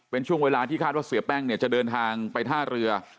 เป็นช่วงเวลาที่คาดว่าเสียแป้งเนี่ยจะเดินทางไปท่าเรือ